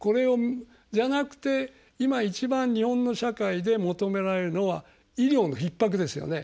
じゃなくて、今一番日本の社会で求められるのは医療のひっ迫ですよね。